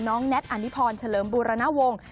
แน็ตอนิพรเฉลิมบูรณวงศ์